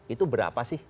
itu berapa sih